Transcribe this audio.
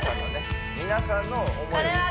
皆さんのね